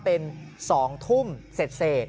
เป็น๒ทุ่มเสร็จ